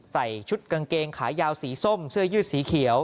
ใส่ชุดกางเกงขายาวสีส้มเสื้อยืดสีเขียว